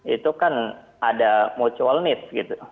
itu kan ada mutual need gitu